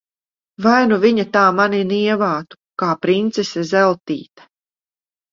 Vai nu viņa tā mani nievātu, kā princese Zeltīte!